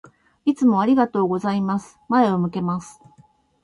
いつもありがとうございます。前を向けます。